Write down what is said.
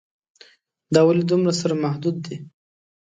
دا ولې دومره سره محدود دي.